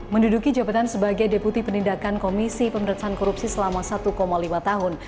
menduduki jabatan sebagai deputi penindakan komisi pemberantasan korupsi selama satu lima tahun